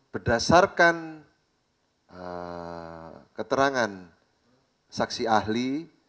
berdasarkan keterangan saksi ahli